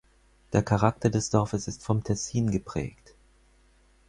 Der Charakter des Dorfes ist vom Tessin geprägt.